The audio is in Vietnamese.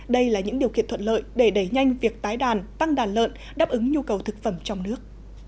đây là những điều kiện thuận lợi để đẩy nhanh việc tái đàn tăng đàn lợn đáp ứng nhu cầu thực phẩm trong nước